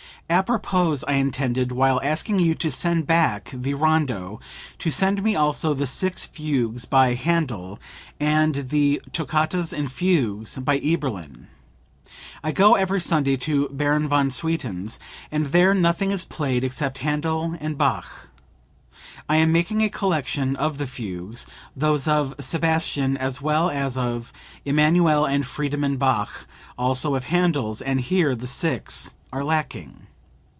"Apropos, I intended, while asking you to send back the rondo, to send me also the six fugues by Handel and the toccatas and fugues by Eberlin. I go every Sunday to Baron von Swieten's, and there nothing is played except Handel and Bach. I am making a collection of the fugues, those of Sebastian as well as of Emanuel and Friedemann Bach; also of Handel's, and here the six are lacking.